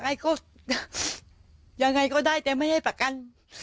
อยากยังไงก็ได้แต่ไม่ให้ประกัน